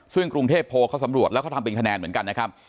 ซึ่งกรุงเทพโพลเขาสำรวจแล้วเขาทำเป็นคะแนนเหมือนกันนะครับ